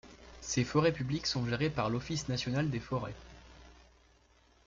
Ces forêts publiques sont gérées par l'Office national des forêts.